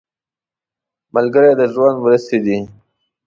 ملګری د ژوند مرستې دی